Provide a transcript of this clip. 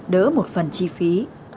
đỡ một phần chi phí